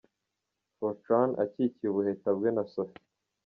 Fortran akikiye ubuheta bwe na Sophie.